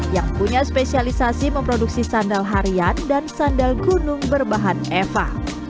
yang punya spesialisasi memproduksi sandal harian dan sandal gunung berbahan eva